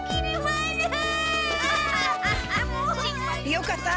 よかった！